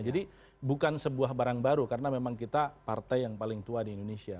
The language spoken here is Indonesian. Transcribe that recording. jadi bukan sebuah barang baru karena memang kita partai yang paling tua di indonesia